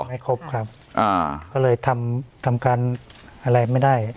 ไม่ครบครับอ่าก็เลยทำทำการอะไรไม่ได้